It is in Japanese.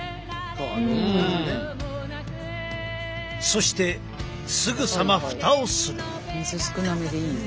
そしてすぐさまふたをする。